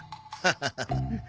ハハハハッ。